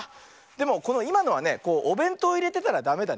でもこのいまのはねおべんとういれてたらダメだね。